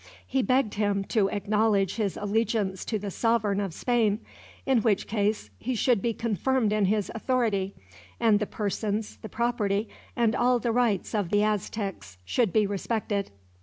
He begged him to acknowledge his allegiance to the sovereign of Spain; in which case he should be confirmed in his authority, and the persons, the property, and all the rights of the Aztecs should be respected.